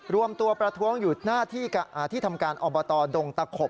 รวมตัวประท้วงหยุดหน้าที่ทำการอบตดงตะขบ